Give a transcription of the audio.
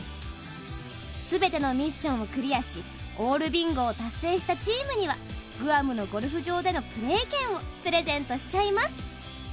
すべてのミッションをクリアしオールビンゴを達成したチームにはグアムのゴルフ場でのプレー権をプレゼントしちゃいます。